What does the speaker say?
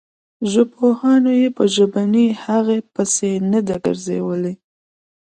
ژبپوهانو یې په ژبنۍ هغې پسې نه ده ګرځولې.